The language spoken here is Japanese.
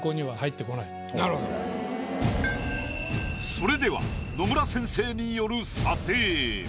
それでは野村先生による。